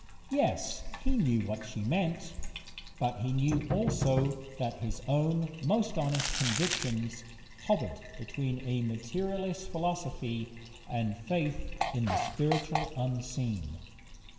Yes, he knew what she meant, but he knew also that his own most honest convictions hovered between a materialist philosophy and faith in the spiritual unseen.